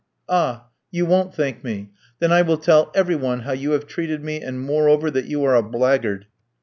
"Ah! you won't thank me. Then I will tell every one how you have treated me, and, moreover, that you are a blackguard."